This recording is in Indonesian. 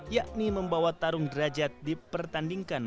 yakni membawa tarung derajat dipertandingkan